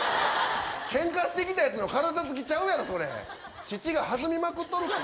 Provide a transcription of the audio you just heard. けんかしてきたやつの体つきちゃうやろそれ乳が弾みまくっとるがな